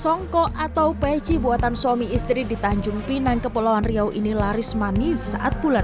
songkok atau peci buatan suami istri di tanjung pinang kepulauan riau ini laris manis saat bulan